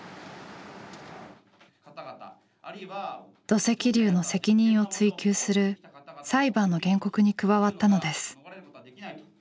土石流の責任を追及する裁判の原告に加わったのです。